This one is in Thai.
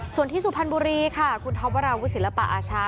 ส่วนที่สุพรรณบุรีค่ะคุณท็อปวราวุศิลปะอาชา